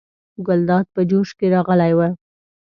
ګلداد په جوش کې راغلی و.